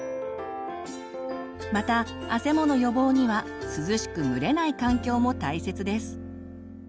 またあせもの予防には涼しく蒸れない環境も大切です。